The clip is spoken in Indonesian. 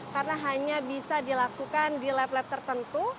karena hanya bisa dilakukan di lab lab tertentu